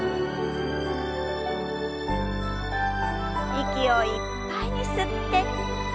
息をいっぱいに吸って。